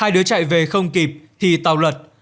hai đứa chạy về không kịp thì tàu lật